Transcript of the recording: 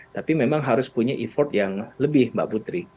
tapi memang harus punya effort yang lebih mbak putri